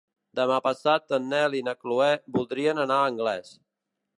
Demà passat en Nel i na Chloé voldrien anar a Anglès.